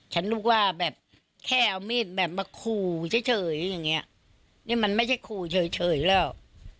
ฉันนึกว่าแบบแค่เอามีดแบบมาขู่เฉยอย่างเงี้ยนี่มันไม่ใช่ขู่เฉยแล้ว